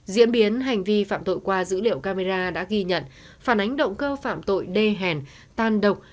diễn biến hành vi phạm tội qua dữ liệu camera đã ghi nhận phản ánh động cơ phạm tội đê hèn tan độc